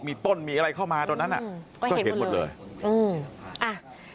มีต้นมีอะไรเข้ามาตรงนั้นน่ะก็เห็นหมดเลย